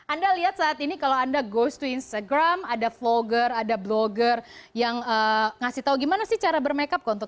anda lihat saat ini kalau anda goes to instagram ada vlogger ada blogger yang ngasih tahu gimana sih cara bermakeup keuntungan